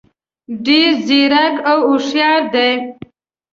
ډېر ځیرک او هوښیار دي.